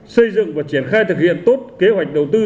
xây dựng và triển khai thực hiện tốt kế hoạch đầu tư